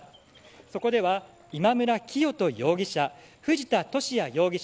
そこでは今村磨人容疑者藤田聖也容疑者